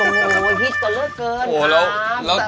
โอ้ยพี่ก็เลิกเกินครับ